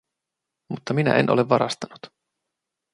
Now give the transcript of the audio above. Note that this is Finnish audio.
Mutta minä en ole varastanut.